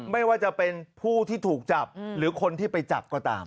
ไม่ว่าจะเป็นผู้ที่ถูกจับหรือคนที่ไปจับก็ตาม